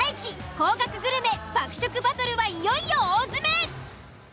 高額グルメ爆食バトルはいよいよ大詰め。